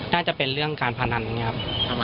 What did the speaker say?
น่าจะเป็นเรื่องการพนันอย่างนี้ครับ